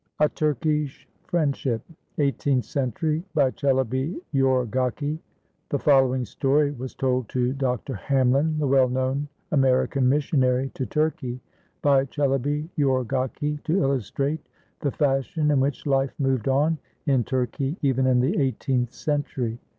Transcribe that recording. A TURKISH FRIENDSHIP [Eighteenth century] BY CHELIBY YORGAKI [The following story was told to Dr. Hamlin, the well known American missionary to Turkey, by Cheliby Yorgaki, to illus trate the fashion in which life moved on in Turkey even in the eighteenth century.